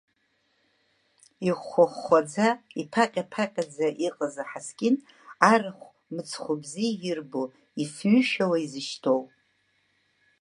Ихәхәа-хәхәаӡа, иԥаҟьа-ԥаҟьаӡа иҟаз аҳаскьын, арахә мыцхәы бзиа ирбо, ифҩышәауа изышьҭоу.